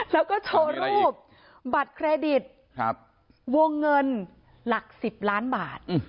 แล้วก็โชว์รูปบัตรเครดิตวงเงินหลัก๑๐ล้านบาท